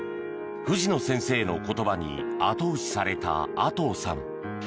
藤野先生の言葉に後押しされた阿刀さん。